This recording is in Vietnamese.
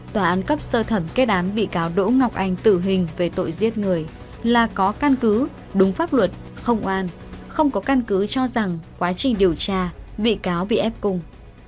tòa án cấp sơ thẩm kết án bị cáo đỗ ngọc anh tử hình về tội giết người là có căn cứ đúng pháp luật không oan không có căn cứ cho rằng quá trình điều tra bị cáo bị ép cùng